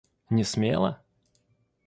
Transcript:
Не смела?